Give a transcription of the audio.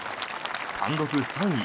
単独３位。